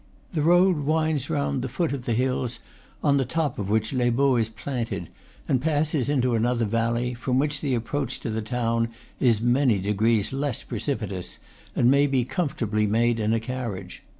The road winds round the foot of the hills on the top of which Lea Baux is planted, and passes into another valley, from which the approach to the town is many degrees less pre cipitous, and may be comfortably made in a carriage.